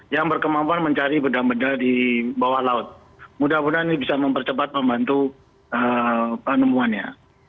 yang berkemampuan mencari benda benda di bawah laut mudah mudahan ini bisa mempercepat membantu penemuannya